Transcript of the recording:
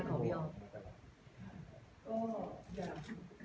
ขอบคุณครับ